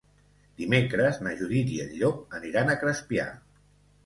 Dimecres na Judit i en Llop aniran a Crespià.